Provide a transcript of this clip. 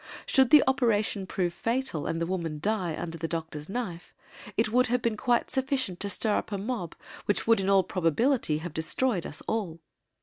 Should the operation prove fatal and the woman die under the doctor's knife it would have been quite sufficient to stir up a mob which would in all probability have destroyed us all.